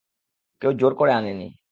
কেউ জোর করে আনে নি।